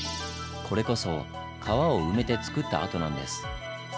これこそ川を埋めてつくった跡なんです。